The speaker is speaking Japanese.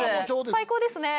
最高ですね！